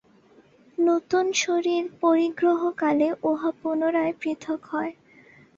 নূতন শরীর পরিগ্রহ কালে উহা পুনরায় পৃথক হয়।